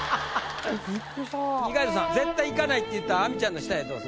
二階堂さん絶対いかないって言った亜美ちゃんの下へどうぞ。